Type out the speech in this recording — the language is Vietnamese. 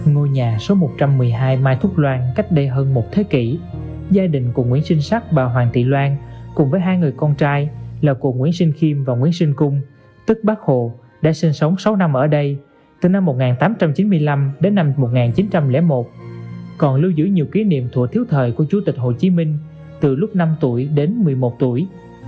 ngôi nhà số một trăm một mươi hai mai thúc loan cách đây hơn một thế kỷ gia đình của nguyễn sinh sắc bà hoàng thị loan cùng với hai người con trai là của nguyễn sinh khiêm và nguyễn sinh cung tức bác hồ đã sinh sống sáu năm ở đây từ năm một nghìn tám trăm chín mươi năm đến năm một nghìn chín trăm linh một còn lưu giữ nhiều kỷ niệm thủa thiếu thời của chủ tịch hồ chí minh từ lúc năm tuổi đến một mươi một tuổi